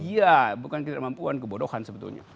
iya bukan ketidakmampuan kebodohan sebetulnya